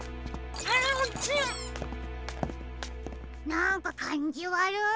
なんかかんじわる。